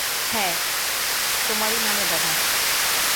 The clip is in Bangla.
হ্যাঁ, তোমারই নামে দাদা।